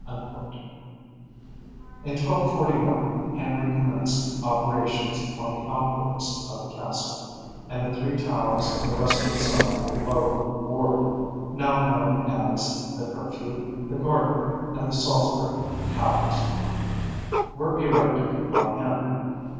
In 1241 Henry commenced operations upon the outworks of the castle, and the three towers on the western side of the lower ward now known as the Curfew, the Garter, and the Salisbury Towers were erected by him.